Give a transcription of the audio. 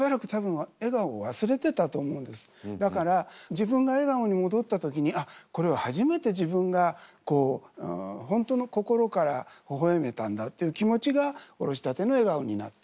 今までだから自分が笑顔にもどった時にあっこれは初めて自分が本当のっていう気持ちが「おろしたての笑顔」になった。